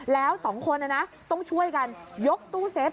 แล้วสองคนต้องช่วยกันยกตู้เซฟ